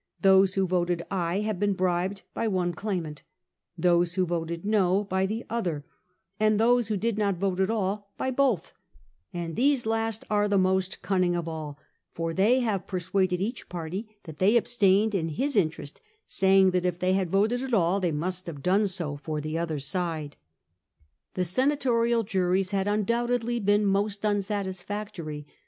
Those who voted aye have been bribed by one claimant, those who voted no by the other, and those who did not vote at all by both ; and these last are the most cunning of all, for they have persuaded each party that they abstained in his interest, saying that if they had voted at all, they must have done so for the other side." The senatorial juries had undoubtedly been most un satisfactory.